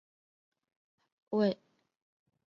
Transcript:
位牌曰兴福院殿南天皇都心位尊仪。